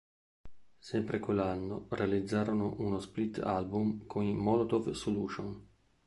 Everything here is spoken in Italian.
Sempre quell'anno realizzarono uno split album con i Molotov Solution.